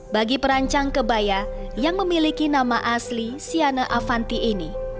bagi perancang kebaya yang memiliki nama asli siana avanti ini